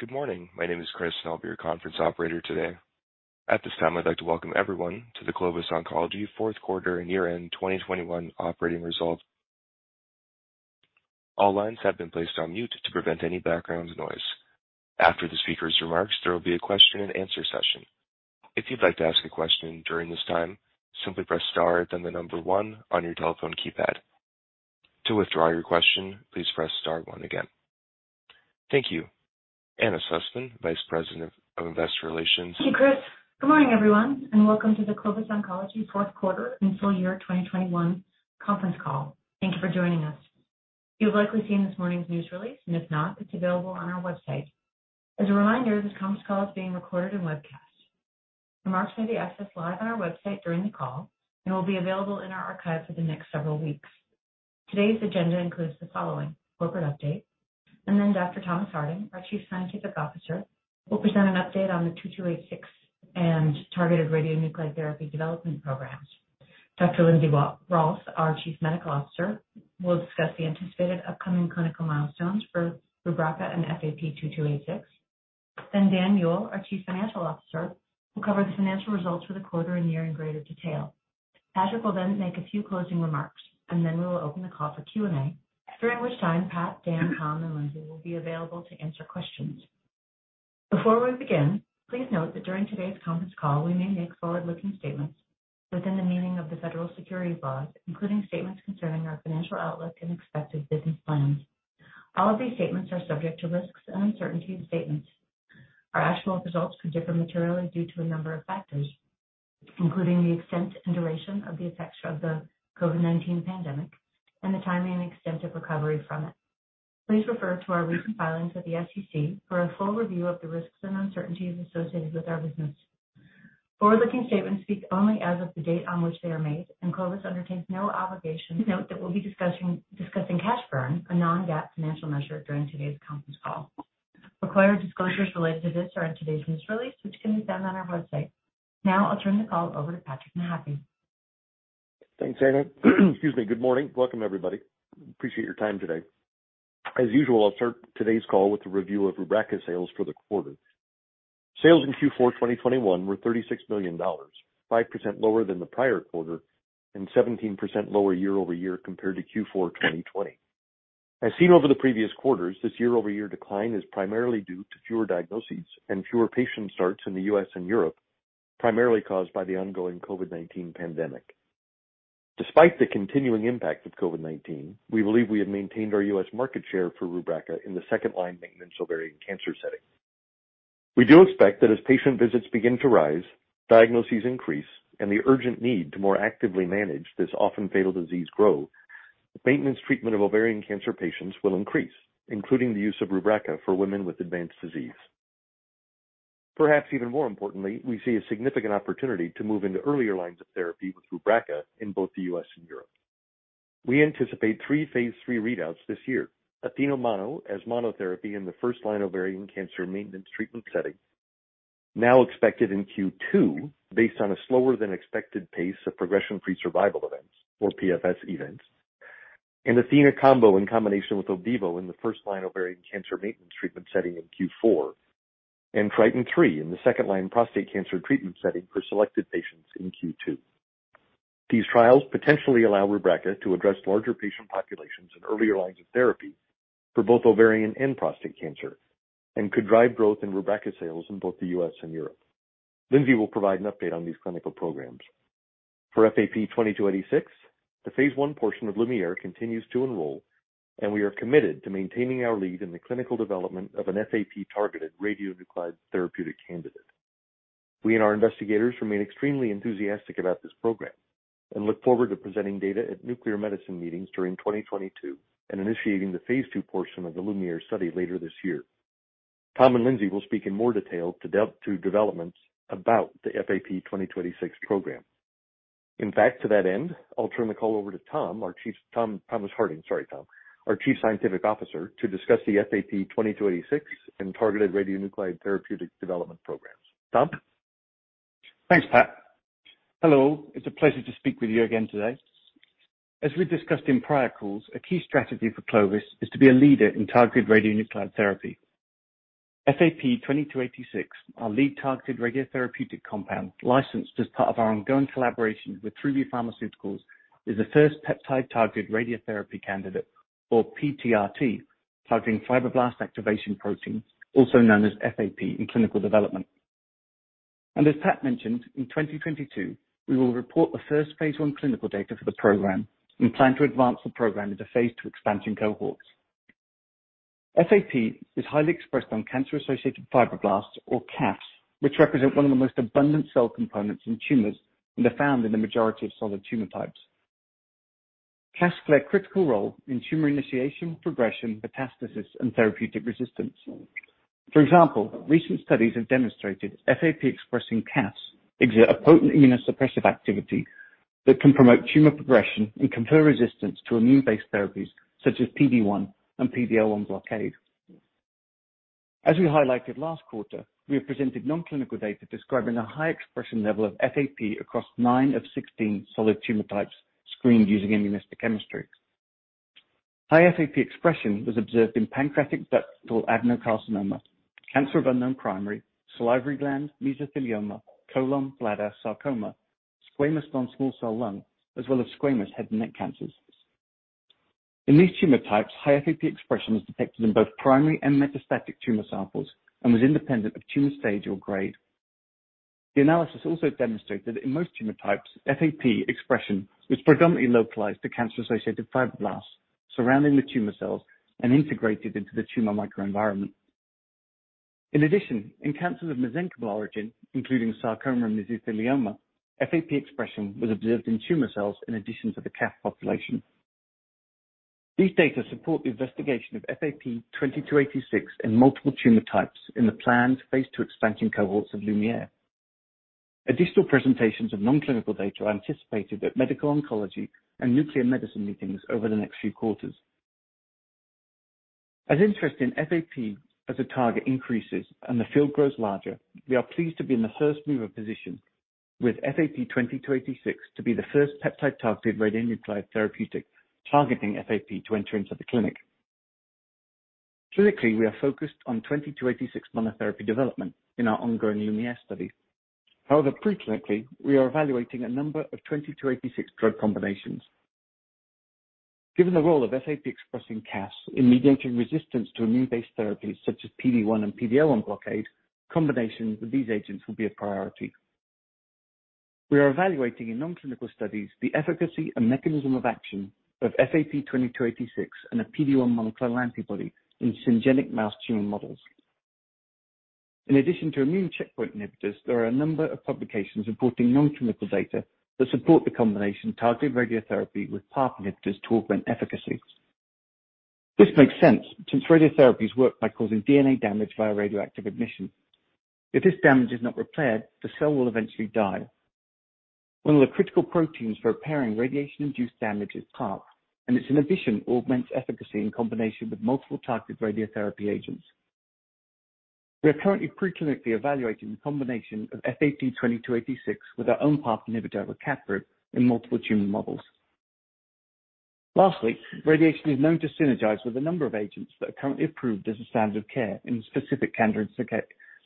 Good morning. My name is Chris, and I'll be your conference operator today. At this time, I'd like to welcome everyone to the Clovis Oncology fourth quarter and year-end 2021 operating results. All lines have been placed on mute to prevent any background noise. After the speaker's remarks, there will be a Q&A session. If you'd like to ask a question during this time, simply press star then the number one on your telephone keypad. To withdraw your question, please press star one again. Thank you. Anna Sussman, Vice President of Investor Relations. Thank you, Chris. Good morning, everyone, and welcome to the Clovis Oncology fourth quarter and full year 2021 conference call. Thank you for joining us. You've likely seen this morning's news release, and if not, it's available on our website. As a reminder, this conference call is being recorded and webcast. Remarks may be accessed live on our website during the call and will be available in our archive for the next several weeks. Today's agenda includes the following corporate update, and then Dr. Thomas Harding, our Chief Scientific Officer, will present an update on the FAP-2286 and targeted radionuclide therapy development programs. Dr. Lindsey Rolfe, our Chief Medical Officer, will discuss the anticipated upcoming clinical milestones for Rubraca and FAP-2286. Dan Muehl, our Chief Financial Officer, will cover the financial results for the quarter and year in greater detail. Patrick will then make a few closing remarks, and then we will open the call for Q&A, during which time Pat, Dan, Tom, and Lindsey will be available to answer questions. Before we begin, please note that during today's conference call we may make forward-looking statements within the meaning of the Federal Securities laws, including statements concerning our financial outlook and expected business plans. All of these statements are subject to risks and uncertainties. Our actual results could differ materially due to a number of factors, including the extent and duration of the effects of the COVID-19 pandemic and the timing and extent of recovery from it. Please refer to our recent filings with the SEC for a full review of the risks and uncertainties associated with our business. Forward-looking statements speak only as of the date on which they are made, and Clovis undertakes no obligation. Note that we'll be discussing cash burn, a non-GAAP financial measure, during today's conference call. Required disclosures related to this are in today's news release, which can be found on our website. Now I'll turn the call over to Patrick Mahaffy. Thanks, Anna. Excuse me. Good morning. Welcome, everybody. Appreciate your time today. As usual, I'll start today's call with a review of Rubraca sales for the quarter. Sales in Q4 2021 were $36 million, 5% lower than the prior quarter and 17% lower year-over-year compared to Q4 2020. As seen over the previous quarters, this year-over-year decline is primarily due to fewer diagnoses and fewer patient starts in the U.S. and Europe, primarily caused by the ongoing COVID-19 pandemic. Despite the continuing impact of COVID-19, we believe we have maintained our U.S. market share for Rubraca in the second line maintenance ovarian cancer setting. We do expect that as patient visits begin to rise, diagnoses increase, and the urgent need to more actively manage this often fatal disease grow, maintenance treatment of ovarian cancer patients will increase, including the use of Rubraca for women with advanced disease. Perhaps even more importantly, we see a significant opportunity to move into earlier lines of therapy with Rubraca in both the U.S. and Europe. We anticipate three phase III readouts this year. ATHENA-MONO as monotherapy in the first-line ovarian cancer maintenance treatment setting, now expected in Q2 based on a slower than expected pace of progression-free survival events or PFS events. ATHENA-COMBO in combination with Opdivo in the first-line ovarian cancer maintenance treatment setting in Q4. TRITON3 in the second-line prostate cancer treatment setting for selected patients in Q2. These trials potentially allow Rubraca to address larger patient populations in earlier lines of therapy for both ovarian and prostate cancer and could drive growth in Rubraca sales in both the U.S. and Europe. Lindsey will provide an update on these clinical programs. For FAP-2286, the phase I portion of LuMIERE continues to enroll, and we are committed to maintaining our lead in the clinical development of an FAP-targeted radionuclide therapeutic candidate. We and our investigators remain extremely enthusiastic about this program and look forward to presenting data at nuclear medicine meetings during 2022 and initiating the phase II portion of the LuMIERE study later this year. Tom and Lindsey will speak in more detail to developments about the FAP-2286 program. In fact, to that end, I'll turn the call over to Tom, Thomas Harding. Sorry, Thomas, our Chief Scientific Officer, to discuss the FAP-2286 and targeted radionuclide therapy development programs. Thomas? Thanks, Pat. Hello. It's a pleasure to speak with you again today. As we've discussed in prior calls, a key strategy for Clovis is to be a leader in targeted radionuclide therapy. FAP-2286, our lead targeted radiotherapeutic compound licensed as part of our ongoing collaboration with 3B Pharmaceuticals, is the first peptide targeted radiotherapy candidate or PTRT targeting fibroblast activation protein, also known as FAP, in clinical development. As Pat mentioned, in 2022 we will report the first phase I clinical data for the program. We plan to advance the program into phase II expansion cohorts. FAP is highly expressed on cancer-associated fibroblasts or CAFs, which represent one of the most abundant cell components in tumors and are found in the majority of solid tumor types. CAFs play a critical role in tumor initiation, progression, metastasis, and therapeutic resistance. For example, recent studies have demonstrated FAP-expressing CAFs exert a potent immunosuppressive activity that can promote tumor progression and confer resistance to immune-based therapies such as PD-1 and PD-L1 blockade. As we highlighted last quarter, we have presented non-clinical data describing a high expression level of FAP across 9/16 solid tumor types screened using immunohistochemistry. High FAP expression was observed in pancreatic ductal adenocarcinoma, cancer of unknown primary, salivary gland, mesothelioma, colon, bladder, sarcoma, squamous non-small cell lung, as well as squamous head and neck cancers. In these tumor types, high FAP expression was detected in both primary and metastatic tumor samples and was independent of tumor stage or grade. The analysis also demonstrated that in most tumor types, FAP expression was predominantly localized to cancer-associated fibroblasts surrounding the tumor cells and integrated into the tumor microenvironment. In addition, in cancer of mesenchymal origin, including sarcoma and mesothelioma, FAP expression was observed in tumor cells in addition to the CAFs population. These data support the investigation of FAP-2286 in multiple tumor types in the planned phase II expansion cohorts of LuMIERE. Additional presentations of non-clinical data are anticipated at medical oncology and nuclear medicine meetings over the next few quarters. As interest in FAP as a target increases and the field grows larger, we are pleased to be in the first mover position with FAP-2286 to be the first peptide targeted radionuclide therapeutic targeting FAP to enter into the clinic. Clinically, we are focused on FAP-2286 monotherapy development in our ongoing LuMIERE study. However, pre-clinically, we are evaluating a number of FAP-2286 drug combinations. Given the role of FAP-expressing CAFs in mediating resistance to immune-based therapies such as PD-1 and PD-L1 blockade, combinations with these agents will be a priority. We are evaluating in preclinical studies the efficacy and mechanism of action of FAP-2286 and a PD-L1 monoclonal antibody in syngeneic mouse tumor models. In addition to immune checkpoint inhibitors, there are a number of publications reporting preclinical data that support the combination targeted radiotherapy with PARP inhibitors to augment efficacy. This makes sense since radiotherapies work by causing DNA damage via radioactive emission. If this damage is not repaired, the cell will eventually die. One of the critical proteins for repairing radiation-induced damage is PARP, and it, in addition, augments efficacy in combination with multiple targeted radiotherapy agents. We are currently preclinically evaluating the combination of FAP-2286 with our own PARP inhibitor, rucaparib, in multiple tumor models. Lastly, radiation is known to synergize with a number of agents that are currently approved as a standard of care in specific cancer,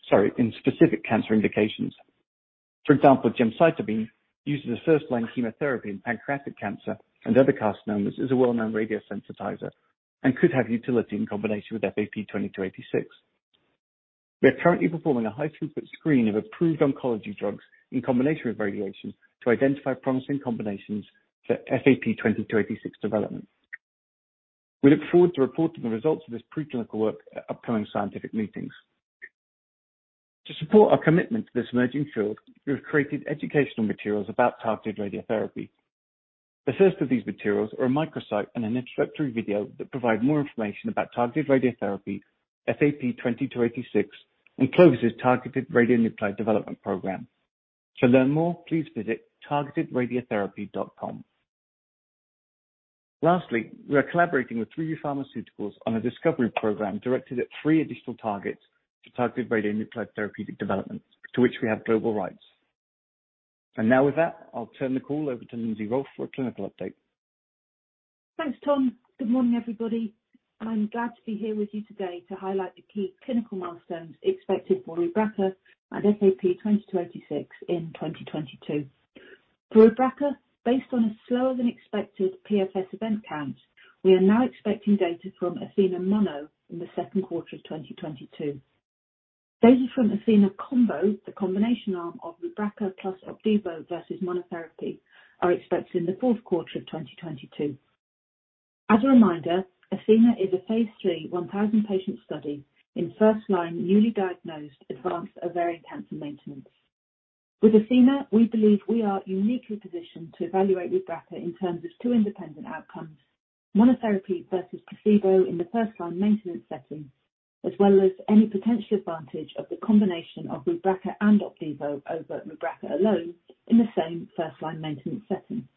sorry, in specific cancer indications. For example, gemcitabine, used as a first-line chemotherapy in pancreatic cancer and other carcinomas, is a well-known radiosensitizer and could have utility in combination with FAP-2286. We are currently performing a high-throughput screen of approved oncology drugs in combination with radiation to identify promising combinations for FAP-2286 development. We look forward to reporting the results of this pre-clinical work at upcoming scientific meetings. To support our commitment to this emerging field, we have created educational materials about targeted radiotherapy. The first of these materials are a microsite and an introductory video that provide more information about targeted radiotherapy, FAP-2286, and Clovis' targeted radionuclide development program. To learn more, please visit targetedradiotherapy.com. Lastly, we are collaborating with 3B Pharmaceuticals on a discovery program directed at three additional targets for targeted radionuclide therapeutic development, to which we have global rights. Now with that, I'll turn the call over to Lindsey Rolfe for a clinical update. Thanks, Tom. Good morning, everybody. I'm glad to be here with you today to highlight the key clinical milestones expected for Rubraca and FAP-2286 in 2022. For Rubraca, based on a slower-than-expected PFS event count, we are now expecting data from ATHENA-MONO in the second quarter of 2022. Data from ATHENA-COMBO, the combination arm of Rubraca plus Opdivo versus monotherapy, are expected in the fourth quarter of 2022. As a reminder, ATHENA is a phase III 1,000-patient study in first-line newly diagnosed advanced ovarian cancer maintenance. With ATHENA, we believe we are uniquely positioned to evaluate Rubraca in terms of two independent outcomes, monotherapy versus placebo in the first-line maintenance setting, as well as any potential advantage of the combination of Rubraca and Opdivo over Rubraca alone in the same first-line maintenance setting.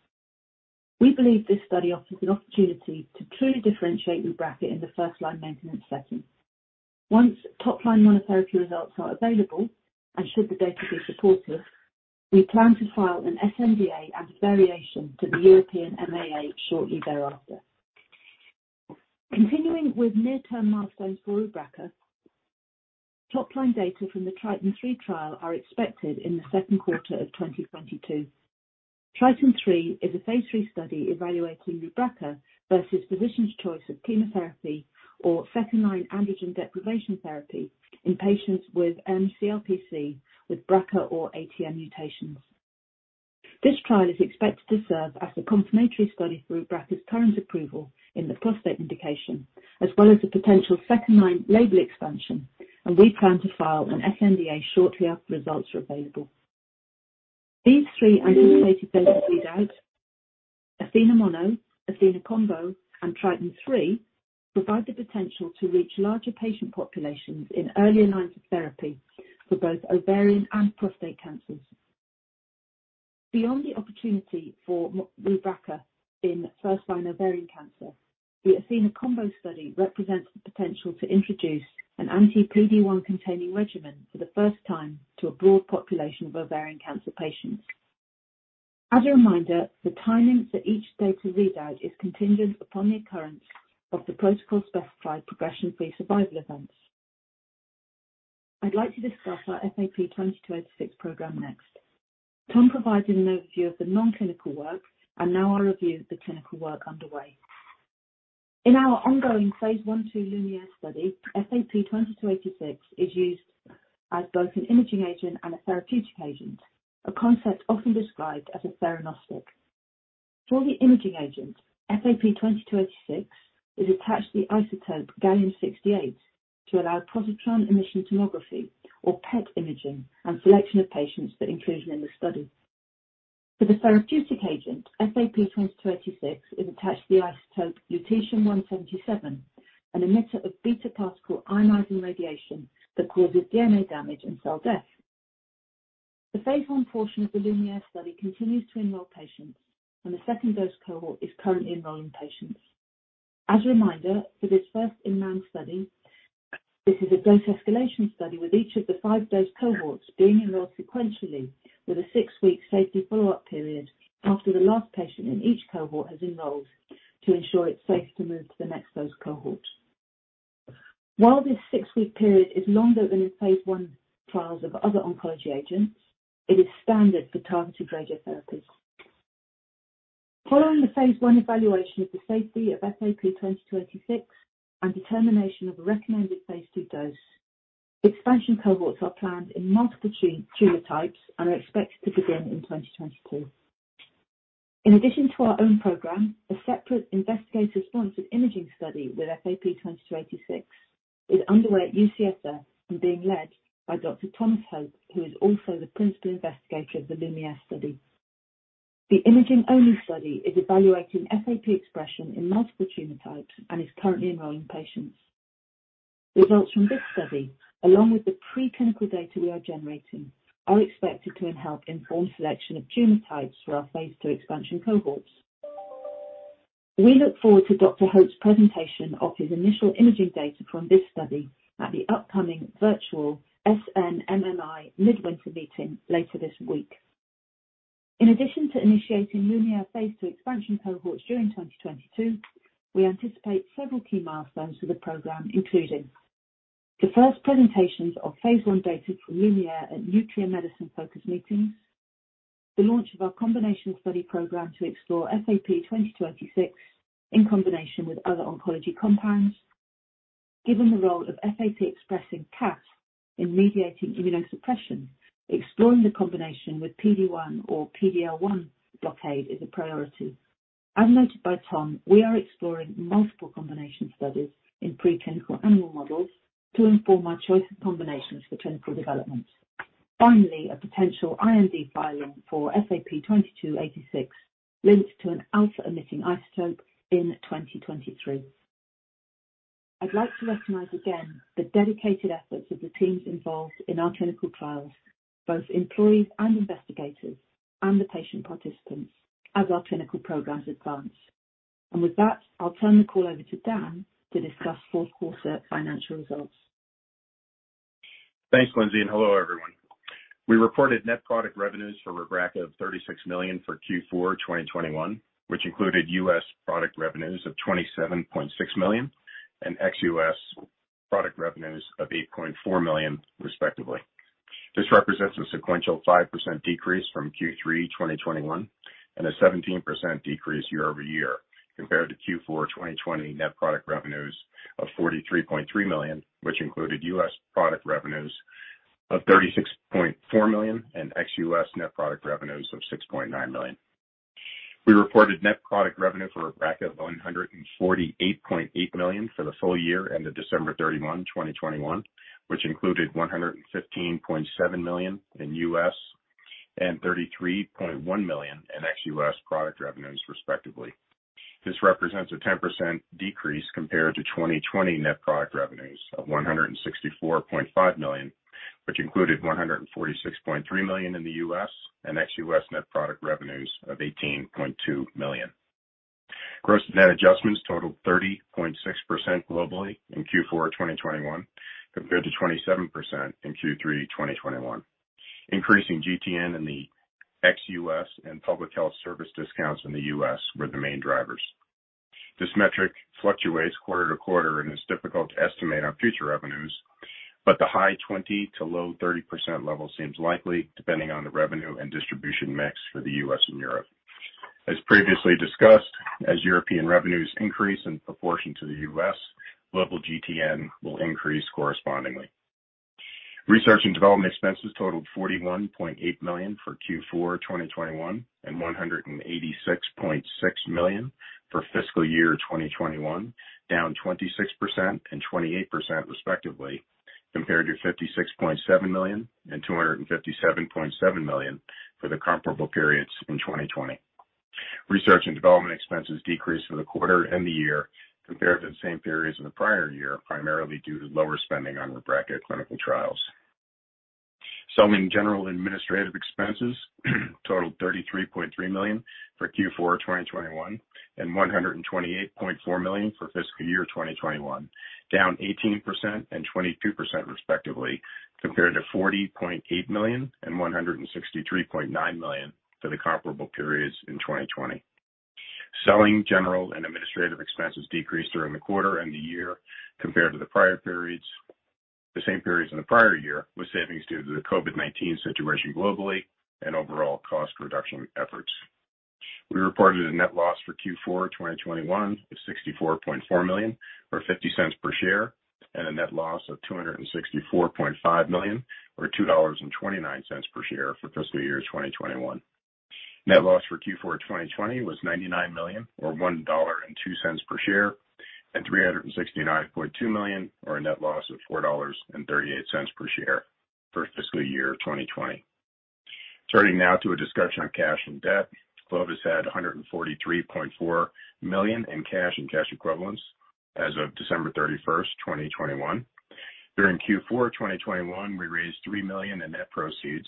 We believe this study offers an opportunity to truly differentiate Rubraca in the first-line maintenance setting. Once top-line monotherapy results are available, and should the data be supportive, we plan to file an sNDA and variation to the European MAA shortly thereafter. Continuing with near-term milestones for Rubraca, top-line data from the TRITON3 trial are expected in the second quarter of 2022. TRITON3 is a phase III study evaluating Rubraca versus physician's choice of chemotherapy or second-line androgen deprivation therapy in patients with mCRPC with BRCA or ATM mutations. This trial is expected to serve as a confirmatory study for Rubraca's current approval in the prostate indication, as well as a potential second-line label expansion, and we plan to file an sNDA shortly after results are available. These three anticipated data readouts, ATHENA-MONO, ATHENA-COMBO, and TRITON3, provide the potential to reach larger patient populations in earlier lines of therapy for both ovarian and prostate cancers. Beyond the opportunity for Rubraca in first-line ovarian cancer, the ATHENA-COMBO study represents the potential to introduce an anti-PD-1 containing regimen for the first time to a broad population of ovarian cancer patients. As a reminder, the timing for each data readout is contingent upon the occurrence of the protocol-specified progression-free survival events. I'd like to discuss our FAP-2286 program next. Tom provided an overview of the non-clinical work, and now I'll review the clinical work underway. In our ongoing phase I/II LuMIERE study, FAP-2286 is used as both an imaging agent and a therapeutic agent, a concept often described as a theranostic. For the imaging agent, FAP-2286 is attached to the isotope gallium-68 to allow positron emission tomography or PET imaging and selection of patients for inclusion in the study. For the therapeutic agent, FAP-2286 is attached to the isotope lutetium-177, an emitter of beta particle ionizing radiation that causes DNA damage and cell death. The phase I portion of the LuMIERE study continues to enroll patients, and the second dose cohort is currently enrolling patients. As a reminder, for this first in-man study, this is a dose escalation study, with each of the five dose cohorts being enrolled sequentially, with a six-week safety follow-up period after the last patient in each cohort has enrolled to ensure it's safe to move to the next dose cohort. While this six-week period is longer than in phase I trials of other oncology agents, it is standard for targeted radiotherapies. Following the phase I evaluation of the safety of FAP-2286 and determination of the recommended phase II dose, expansion cohorts are planned in multiple tumor types and are expected to begin in 2022. In addition to our own program, a separate investigator-sponsored imaging study with FAP-2286 is underway at UCSF and being led by Dr. Thomas Hope, who is also the principal investigator of the LuMIERE study. The imaging-only study is evaluating FAP expression in multiple tumor types and is currently enrolling patients. Results from this study, along with the preclinical data we are generating, are expected to help inform selection of tumor types for our phase II expansion cohorts. We look forward to Dr. Hope's presentation of his initial imaging data from this study at the upcoming virtual SNMMI Mid-Winter Meeting later this week. In addition to initiating LuMIERE phase II expansion cohorts during 2022, we anticipate several key milestones for the program, including the first presentations of phase I data for LuMIERE at nuclear medicine-focused meetings, the launch of our combination study program to explore FAP-2286 in combination with other oncology compounds. Given the role of FAP-expressing CAFs in mediating immunosuppression, exploring the combination with PD-1 or PD-L1 blockade is a priority. As noted by Tom, we are exploring multiple combination studies in preclinical animal models to inform our choice of combinations for clinical development. Finally, a potential IND filing for FAP-2286 linked to an alpha emitting isotope in 2023. I'd like to recognize again the dedicated efforts of the teams involved in our clinical trials, both employees and investigators and the patient participants, as our clinical programs advance. With that, I'll turn the call over to Dan to discuss fourth quarter financial results. Thanks, Lindsey, and hello, everyone. We reported net product revenues for Rubraca of $36 million for Q4 2021, which included U.S. product revenues of $27.6 million and ex-U.S. product revenues of $8.4 million, respectively. This represents a sequential 5% decrease from Q3 2021 and a 17% decrease year-over-year compared to Q4 2020 net product revenues of $43.3 million, which included U.S. product revenues of $36.4 million and ex-U.S. net product revenues of $6.9 million. We reported net product revenue for Rubraca of $148.8 million for the full year ended December 31, 2021, which included $115.7 million in U.S. and $33.1 million in ex-U.S. product revenues, respectively. This represents a 10% decrease compared to 2020 net product revenues of $164.5 million, which included $146.3 million in the U.S. and ex-U.S. net product revenues of $18.2 million. Gross net adjustments totaled 30.6% globally in Q4 of 2021 compared to 27% in Q3 2021. Increasing GTN in the ex-U.S. and public health service discounts in the U.S. were the main drivers. This metric fluctuates quarter-to-quarter and is difficult to estimate on future revenues, but the high 20% to low 30% level seems likely depending on the revenue and distribution mix for the U.S. and Europe. As previously discussed, as European revenues increase in proportion to the U.S., global GTN will increase correspondingly. Research and development expenses totaled $41.8 million for Q4 2021 and $186.6 million for fiscal year 2021, down 26% and 28% respectively, compared to $56.7 million and $257.7 million for the comparable periods in 2020. Research and development expenses decreased for the quarter and the year compared to the same periods in the prior year, primarily due to lower spending on Rubraca clinical trials. Selling general and administrative expenses totaled $33.3 million for Q4 2021 and $128.4 million for fiscal year 2021, down 18% and 22% respectively, compared to $40.8 million and $163.9 million for the comparable periods in 2020. Selling general and administrative expenses decreased during the quarter and the year compared to the prior periods, the same periods in the prior year, with savings due to the COVID-19 situation globally and overall cost reduction efforts. We reported a net loss for Q4 2021 of $64.4 million or $0.50 per share, and a net loss of $264.5 million or $2.29 per share for fiscal year 2021. Net loss for Q4 2020 was $99 million or $1.02 per share, and $369.2 million or a net loss of $4.38 per share for fiscal year 2020. Turning now to a discussion on cash and debt. Clovis had $143.4 million in cash and cash equivalents as of December 31st, 2021. During Q4 2021, we raised $3 million in net proceeds,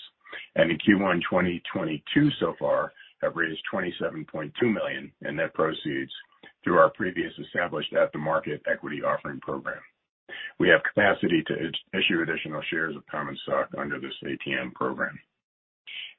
and in Q1 2022 so far have raised $27.2 million in net proceeds through our previously established at-the-market equity offering program. We have capacity to issue additional shares of common stock under this ATM program.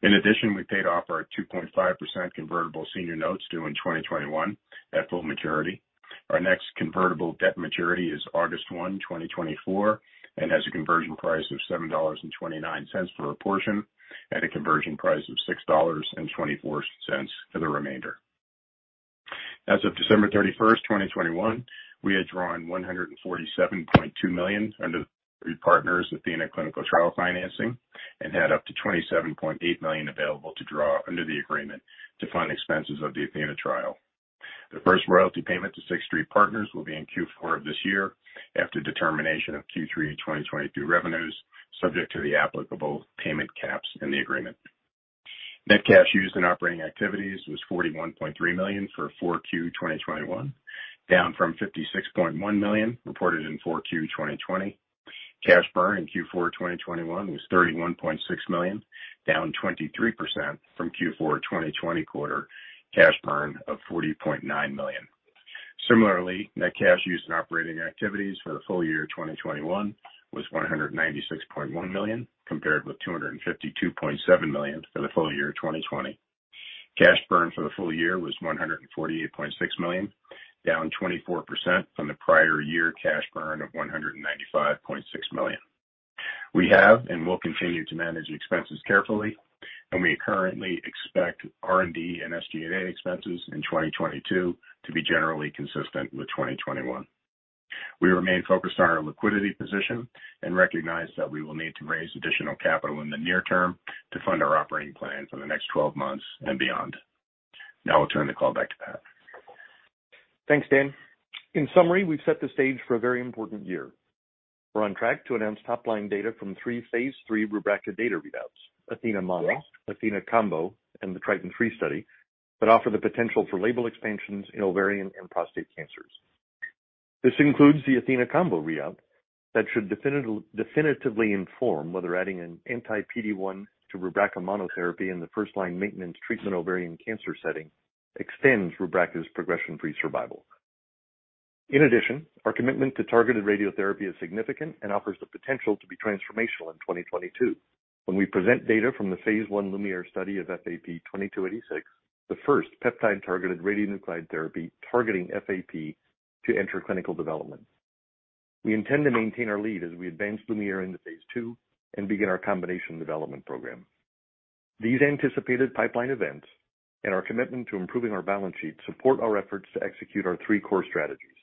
In addition, we paid off our 2.5% convertible senior notes due in 2021 at full maturity. Our next convertible debt maturity is August 1, 2024, and has a conversion price of $7.29 per portion at a conversion price of $6.24 for the remainder. As of December 31st, 2021, we had drawn $147.2 million under the Sixth Street Partners ATHENA clinical trial financing and had up to $27.8 million available to draw under the agreement to fund expenses of the ATHENA trial. The first royalty payment to Sixth Street Partners will be in Q4 of this year after determination of Q3 2022 revenues, subject to the applicable payment caps in the agreement. Net cash used in operating activities was $41.3 million for 4Q 2021, down from $56.1 million reported in 4Q 2020. Cash burn in Q4 2021 was $31.6 million, down 23% from Q4 2020 quarter cash burn of $40.9 million. Similarly, net cash used in operating activities for the full year 2021 was $196.1 million, compared with $252.7 million for the full year 2020. Cash burn for the full year was $148.6 million, down 24% from the prior year cash burn of $195.6 million. We have and will continue to manage expenses carefully, and we currently expect R&D and SG&A expenses in 2022 to be generally consistent with 2021. We remain focused on our liquidity position and recognize that we will need to raise additional capital in the near term to fund our operating plan for the next 12 months and beyond. Now I'll turn the call back to Pat. Thanks, Dan. In summary, we've set the stage for a very important year. We're on track to announce top-line data from three phase III Rubraca data readouts, ATHENA-MONO, ATHENA-COMBO, and the TRITON3 study that offer the potential for label expansions in ovarian and prostate cancers. This includes the ATHENA-COMBO readout that should definitively inform whether adding an anti-PD-1 to Rubraca monotherapy in the first line maintenance treatment ovarian cancer setting extends Rubraca's progression-free survival. In addition, our commitment to targeted radiotherapy is significant and offers the potential to be transformational in 2022. When we present data from the phase I LuMIERE study of FAP-2286, the first peptide-targeted radionuclide therapy targeting FAP to enter clinical development. We intend to maintain our lead as we advance LuMIERE into phase II and begin our combination development program. These anticipated pipeline events and our commitment to improving our balance sheet support our efforts to execute our three core strategies,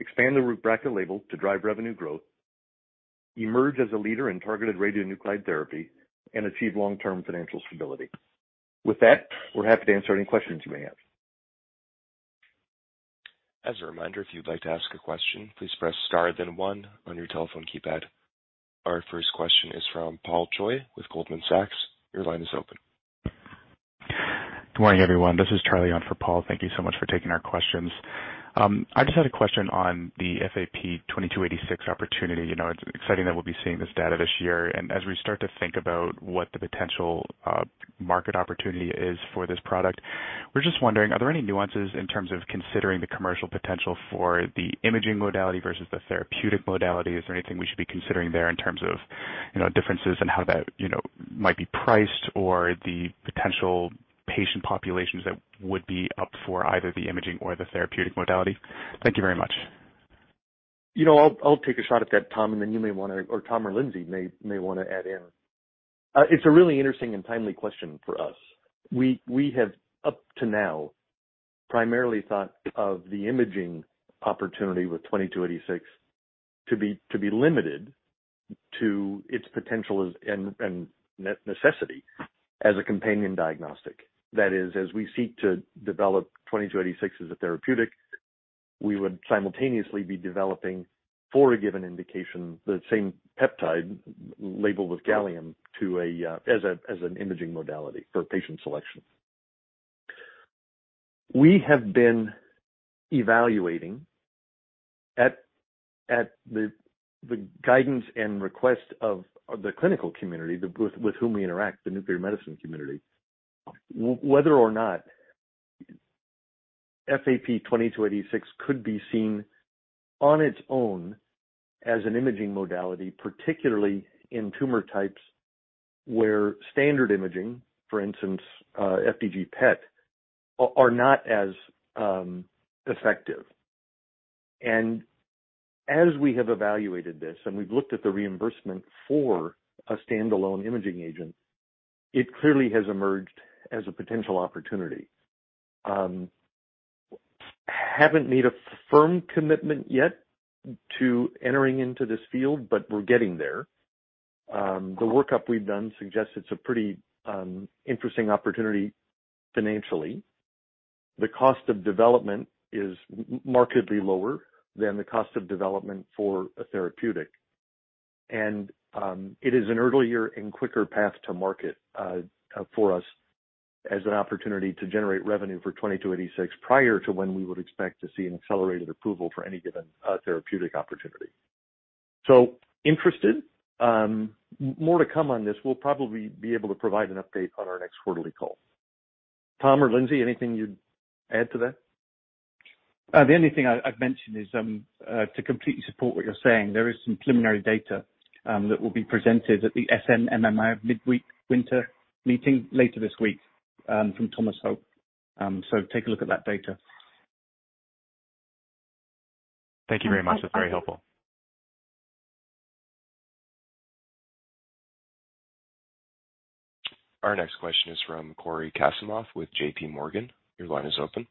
expand the Rubraca label to drive revenue growth, emerge as a leader in targeted radionuclide therapy, and achieve long-term financial stability. With that, we're happy to answer any questions you may have. As a reminder, if you'd like to ask a question, please press star then one on your telephone keypad. Our first question is from Paul Choi with Goldman Sachs. Your line is open. Good morning, everyone. This is Charlie on for Paul. Thank you so much for taking our questions. I just had a question on the FAP-2286 opportunity. You know, it's exciting that we'll be seeing this data this year. As we start to think about what the potential market opportunity is for this product, we're just wondering, are there any nuances in terms of considering the commercial potential for the imaging modality versus the therapeutic modality? Is there anything we should be considering there in terms of, you know, differences in how that might be priced or the potential patient populations that would be up for either the imaging or the therapeutic modality? Thank you very much. You know, I'll take a shot at that, Tom or Lindsey may wanna add in. It's a really interesting and timely question for us. We have, up to now, primarily thought of the imaging opportunity with FAP-2286 to be limited to its potential as a necessity as a companion diagnostic. That is, as we seek to develop FAP-2286 as a therapeutic. We would simultaneously be developing for a given indication, the same peptide labeled with gallium-68 as an imaging modality for patient selection. We have been evaluating at the guidance and request of the clinical community with whom we interact, the nuclear medicine community. Whether or not FAP-2286 could be seen on its own as an imaging modality, particularly in tumor types where standard imaging, for instance, FDG PET, are not as effective. As we have evaluated this, and we've looked at the reimbursement for a standalone imaging agent, it clearly has emerged as a potential opportunity. Haven't made a firm commitment yet to entering into this field, but we're getting there. The workup we've done suggests it's a pretty interesting opportunity financially. The cost of development is markedly lower than the cost of development for a therapeutic. It is an earlier and quicker path to market for us as an opportunity to generate revenue for FAP-2286 prior to when we would expect to see an accelerated approval for any given therapeutic opportunity. Interested. More to come on this. We'll probably be able to provide an update on our next quarterly call. Tom or Lindsey, anything you'd add to that? The only thing I'd mention is to completely support what you're saying, there is some preliminary data that will be presented at the SNMMI Mid-Winter Meeting later this week from Thomas Hope. Take a look at that data. Thank you very much. That's very helpful. Our next question is from Cory Kasimov with J.P. Morgan. Your line is open.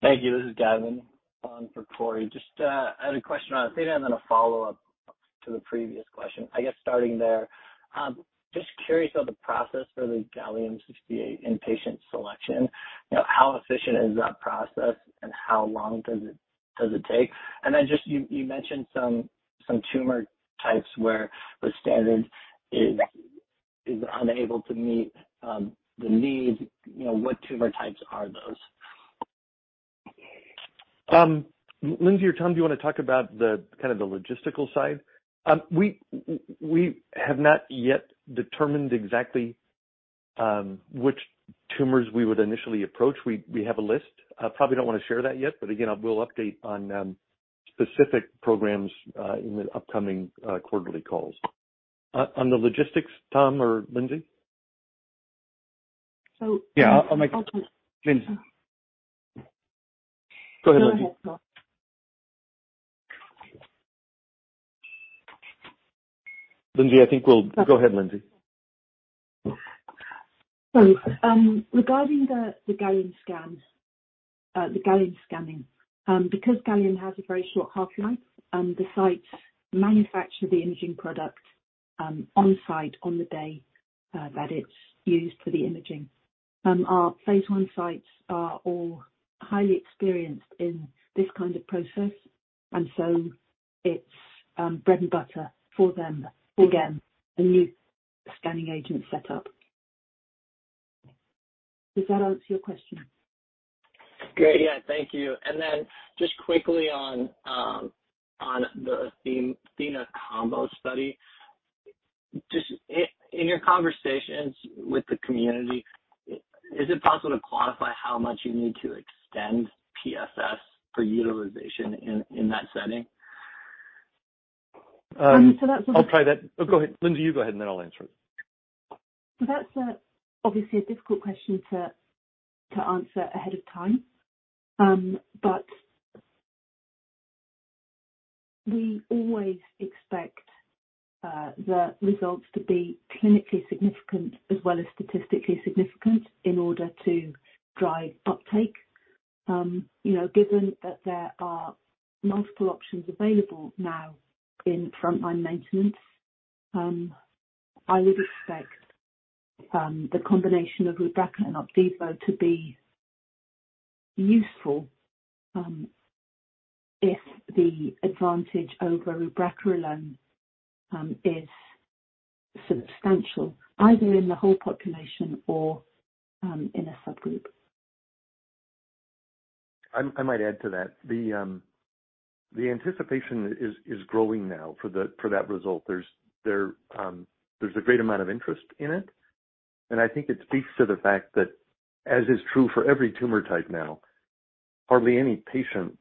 Thank you. This is Gavin on for Cory. Just I had a question on ATHENA and then a follow-up to the previous question. I guess starting there, just curious how the process for the gallium-68 in patient selection, you know, how efficient is that process and how long does it take? And then just you mentioned some tumor types where the standard is unable to meet the need. You know, what tumor types are those? Lindsey or Tom, do you wanna talk about kind of the logistical side? We have not yet determined exactly which tumors we would initially approach. We have a list. I probably don't wanna share that yet, but again, I will update on specific programs in the upcoming quarterly calls. On the logistics, Tom or Lindsey? So- Yeah, I'll make. I'll talk. Lindsey. Go ahead, Lindsey. Go ahead, Lindsey. Sorry. Regarding the gallium scans, the gallium scanning, because gallium has a very short half-life, the sites manufacture the imaging product on-site on the day that it's used for the imaging. Our phase I sites are all highly experienced in this kind of process, and so it's bread and butter for them. Again, a new scanning agent set up. Does that answer your question? Great. Yeah. Thank you. Just quickly on the ATHENA-COMBO study. In your conversations with the community, is it possible to quantify how much you need to extend PFS for utilization in that setting? Um- That's. I'll try that. Go ahead. Lindsey, you go ahead and then I'll answer. That's obviously a difficult question to answer ahead of time. We always expect the results to be clinically significant as well as statistically significant in order to drive uptake. You know, given that there are multiple options available now in frontline maintenance, I would expect the combination of Rubraca and Opdivo to be useful, if the advantage over Rubraca alone is substantial either in the whole population or in a subgroup. I might add to that. The anticipation is growing now for that result. There's a great amount of interest in it, and I think it speaks to the fact that, as is true for every tumor type now, hardly any patient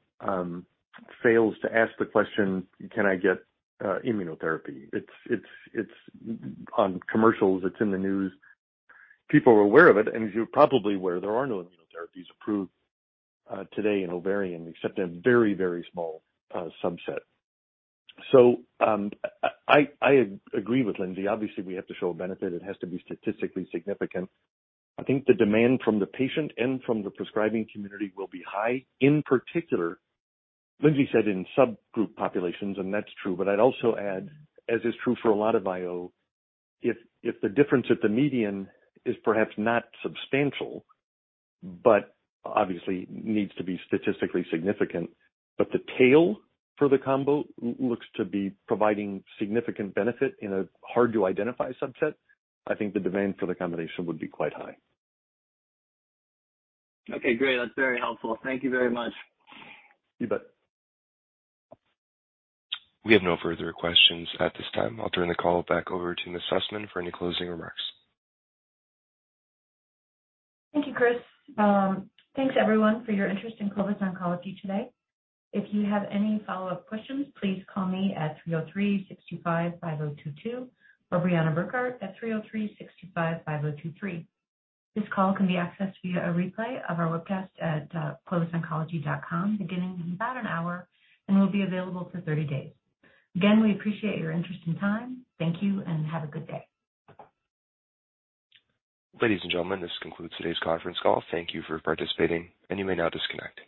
fails to ask the question, "Can I get immunotherapy?" It's on commercials, it's in the news. People are aware of it, and as you're probably aware, there are no immunotherapies approved today in ovarian except in a very, very small subset. I agree with Lindsey. Obviously, we have to show a benefit. It has to be statistically significant. I think the demand from the patient and from the prescribing community will be high, in particular, Lindsey said in subgroup populations, and that's true. I'd also add, as is true for a lot of bio, if the difference at the median is perhaps not substantial, but obviously needs to be statistically significant, but the tail for the combo looks to be providing significant benefit in a hard-to-identify subset, I think the demand for the combination would be quite high. Okay, great. That's very helpful. Thank you very much. You bet. We have no further questions at this time. I'll turn the call back over to Ms. Sussman for any closing remarks. Thank you, Chris. Thanks everyone for your interest in Clovis Oncology today. If you have any follow-up questions, please call me at 303-625-5022 or Breanna Burkart at 303-625-5023. This call can be accessed via a replay of our webcast at clovisoncology.com beginning in about an hour and will be available for 30 days. Again, we appreciate your interest and time. Thank you and have a good day. Ladies and gentlemen, this concludes today's conference call. Thank you for participating, and you may now disconnect.